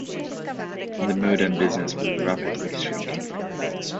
The modem business was rapidly shrinking.